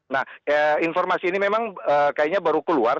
nah informasi ini memang kayaknya baru keluar